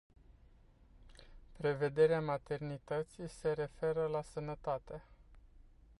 Prevederea maternității se referă la sănătate.